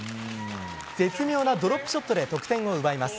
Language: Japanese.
絶妙なドロップショットで得点を奪います。